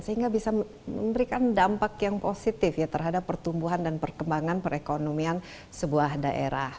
sehingga bisa memberikan dampak yang positif ya terhadap pertumbuhan dan perkembangan perekonomian sebuah daerah